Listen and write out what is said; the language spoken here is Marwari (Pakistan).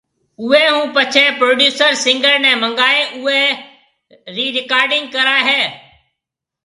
اوئي ھونپڇي پروڊيوسر سنگر ني منگائي اوئي رڪارڊنگ ڪرائي ھيَََ